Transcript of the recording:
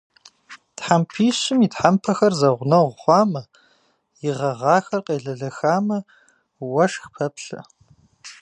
Тхьэмпищым и тхьэмпэхэр зэгъунэгъу хъуамэ, и гъэгъахэр къелэлэхамэ, уэшх пэплъэ.